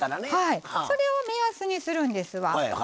それを目安にするんですわ。